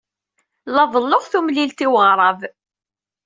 La ḍelluɣ tumlilt i weɣrab.